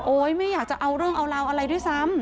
ไม่อยากจะเอาเรื่องเอาราวอะไรด้วยซ้ำ